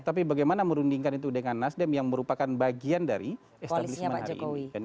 tapi bagaimana merundingkan itu dengan nasdem yang merupakan bagian dari establishment hari ini